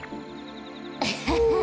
アハハハ。